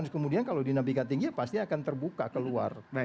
kemudian kalau dinamika tinggi ya pasti akan terbuka keluar